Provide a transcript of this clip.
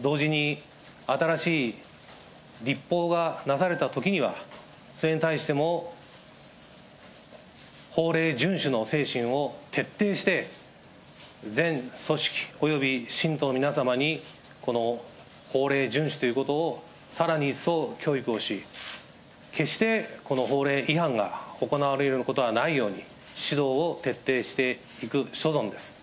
同時に新しい立法がなされたときには、それに対しても、法令順守の精神を徹底して全組織及び信徒の皆様に、この法令順守ということをさらに一層教育をし、決して、この法令違反が行われることはないように、指導を徹底していく所存です。